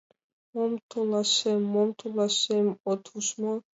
— Мом толашем, мом толашем, от уж мо.